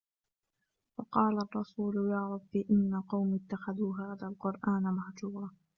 وَقَالَ الرَّسُولُ يَا رَبِّ إِنَّ قَوْمِي اتَّخَذُوا هَذَا الْقُرْآنَ مَهْجُورًا